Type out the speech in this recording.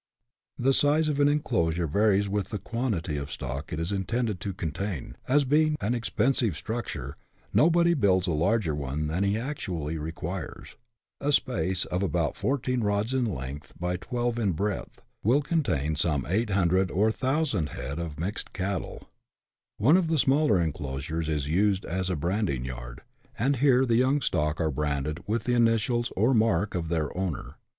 The size of an enclosure varies with the quantity of stock it is intended to contain, as, being an expensive structure, nobody builds a larger one than he actually requires. A space of about 14 roods in length by 12 in breadth, will contain some 800 or 1000 head of mixed cattle. One of the smaller enclosures is used as a branding yard, and here the young stock are branded with the initials or mark of their owner.